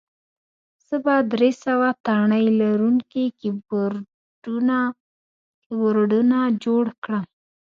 زه به درې سوه تڼۍ لرونکي کیبورډونه جوړ کړم